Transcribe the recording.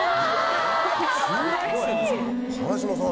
茅島さん。